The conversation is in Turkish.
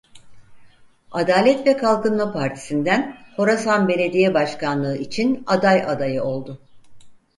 Adalet ve Kalkınma Partisi'nden Horasan belediye başkanlığı için aday adayı oldu.